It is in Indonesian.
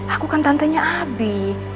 aku kan tantenya abi